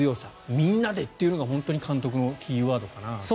みんなでというのが本当に監督のキーワードかなっていう。